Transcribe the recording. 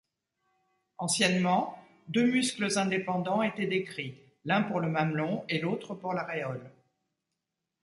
Anciennement, deux muscles indépendants étaient décrits, l’un pour le mamelon et l’autre pour l’aréole.